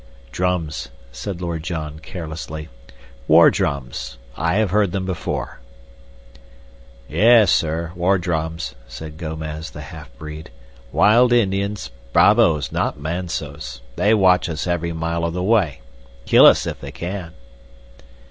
"Drums," said Lord John, carelessly; "war drums. I have heard them before." "Yes, sir, war drums," said Gomez, the half breed. "Wild Indians, bravos, not mansos; they watch us every mile of the way; kill us if they can."